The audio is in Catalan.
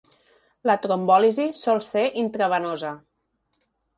La trombòlisi sol ser intravenosa.